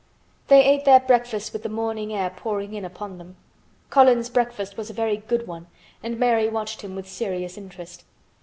They ate their breakfast with the morning air pouring in upon them. Colin's breakfast was a very good one and Mary watched him with serious interest.